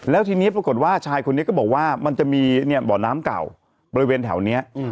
แล้วทีนี้ปรากฏว่าชายคนนี้ก็บอกว่ามันจะมีบ่อน้ำเก่าบริเวณแถวนี้